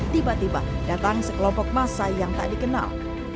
tiba tiba datang sekelompok massa yang tak dikenal